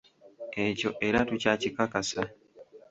Ekyo era tukyakikakasa.